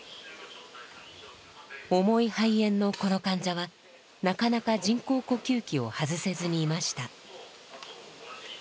重い肺炎のこの患者はなかなか人工呼吸器を外せずにいました。